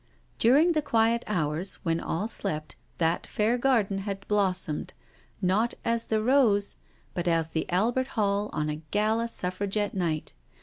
During the quiet hours, when all slept, that fair garden had blossomed, not as the rose, but as the Albert Hall on a gala Suffragette night.